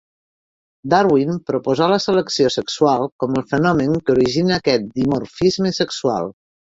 Darwin proposà la selecció sexual com el fenomen que origina aquest dimorfisme sexual.